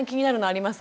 あります？